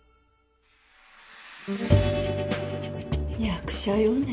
役者よね。